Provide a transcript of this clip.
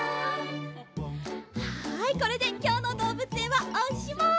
はいこれできょうのどうぶつえんはおしまい。